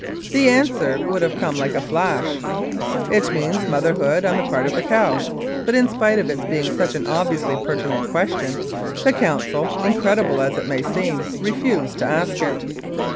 The answer would have come like a flash, " It means motherhood on the part of the cow," but in spite of its being such an obviously pertinent question, the counsel, incredible as it may seem, refused to ask it.